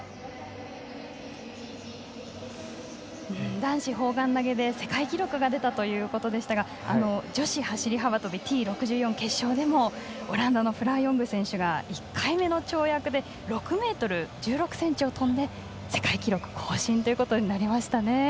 男子砲丸投げで世界記録が出たということでしたが女子走り幅跳びＴ６４の決勝でもオランダのフラー・ヨング選手が１回目の跳躍で６ｍ１６ｃｍを跳んで世界記録更新となりましたね。